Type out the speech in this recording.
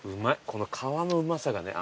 この皮のうまさがね。